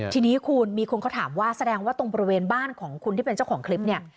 ทีนี้คุณมีคนเขาถามว่าแสดงว่าตรงบริเวณบ้านของคุณที่เป็นเจ้าของคลิปเนี่ย